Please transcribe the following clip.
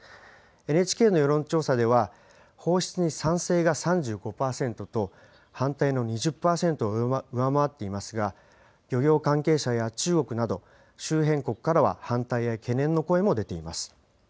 ＮＨＫの世論調査では、放出に賛成が３５％と、反対の２０％を上回っていますが、漁業関係者や中国など、周辺国からは反対や懸念の声も出ています。